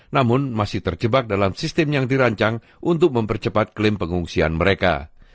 namun masih terjebak dalam sistem yang dirancang untuk mempercepat klaim pengungsian mereka